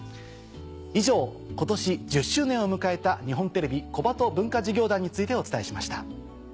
以上今年１０周年を迎えた日本テレビ小鳩文化事業団についてお伝えしました。